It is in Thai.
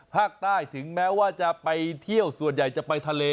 ภาคใต้ถึงแม้ว่าจะไปเที่ยวส่วนใหญ่จะไปทะเล